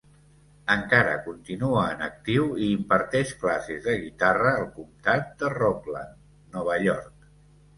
Encara continua en actiu i imparteix classes de guitarra al comtat de Rockland, Nova York.